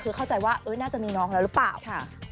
คือเข้าใจว่าน่าจะมีน้องแล้วหรือเปล่า